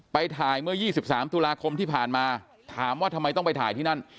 ไปถ่ายเมื่อ๒๓ตุลาคมที่ผ่านมาถามว่าทำไมต้องไปถ่ายที่นั่น